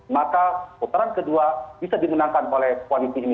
maka putaran kedua bisa dimenangkan oleh koalisi ini